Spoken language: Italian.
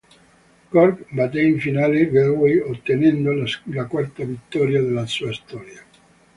Cork batté in finale Galway ottenendo la quarta vittoria della sua storia.